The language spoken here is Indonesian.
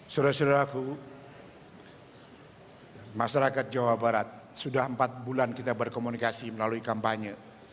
suruh suruh aku masyarakat jawa barat sudah empat bulan kita berkomunikasi melalui kampanye